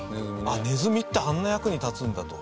ああネズミってあんな役に立つんだと。